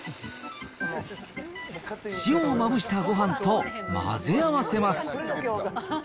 塩をまぶしたごはんと混ぜ合わせます。